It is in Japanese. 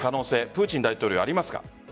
プーチン大統領ありますか？